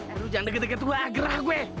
aduh jangan deg deg deg dulu lah gerah gue